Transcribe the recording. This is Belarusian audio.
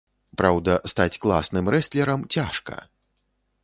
Праўда, стаць класным рэстлерам цяжка.